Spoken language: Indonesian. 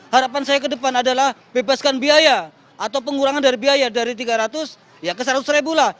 harapan saya ke depan adalah bebaskan biaya atau pengurangan dari biaya dari tiga ratus ya ke seratus ribu lah